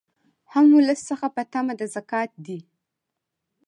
هم ولس څخه په طمع د زکات دي